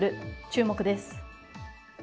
注目です。